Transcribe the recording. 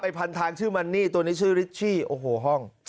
พันทางชื่อมันนี่ตัวนี้ชื่อริชชี่โอ้โหห้อง